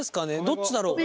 どっちだろう。